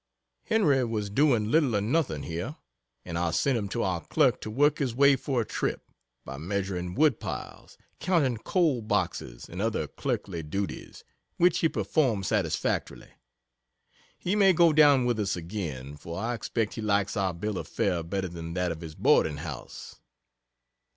Henry was doing little or nothing here, and I sent him to our clerk to work his way for a trip, by measuring wood piles, counting coal boxes, and other clerkly duties, which he performed satisfactorily. He may go down with us again, for I expect he likes our bill of fare better than that of his boarding house.